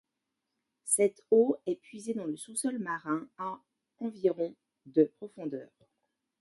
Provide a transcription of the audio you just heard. Cette eau est puisée dans le sous-sol marin, à environ de profondeur.